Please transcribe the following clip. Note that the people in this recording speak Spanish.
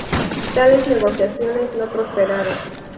Tales negociaciones no prosperaron.